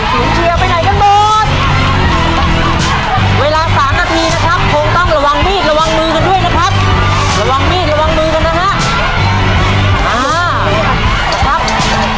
สูงเจือไปไหนกันหมด